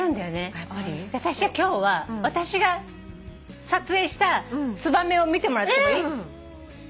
今日は私が撮影したツバメを見てもらってもいい？えっ！？